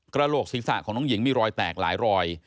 กระโลกศิษย์ศาสตร์ของน้องหญิงมีรอยแตกหลายรอย